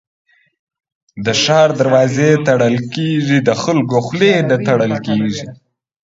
د ښار دروازې تړل کېږي ، د خلکو خولې نه تړل کېږي.